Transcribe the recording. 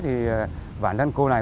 thì bản thân cô này